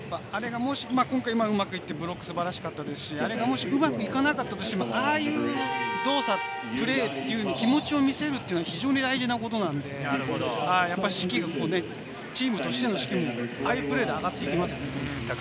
今回、うまくいってブロック素晴らしかったですし、あれがもし、うまくいかなかったとしても、ああいう動作、プレーというの、気持ちを見せるというのは非常に大事なことなんで、チームとしての士気もああいうプレーで上がっていきます。